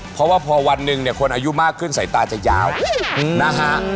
เพราะว่าพอวันหนึ่งเนี่ยคนอายุมากขึ้นสายตาจะยาวนะฮะ